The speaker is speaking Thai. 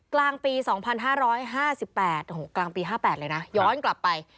กลางปี๒๕๕๘กลางปี๕๘เลยนะย้อนกลับไป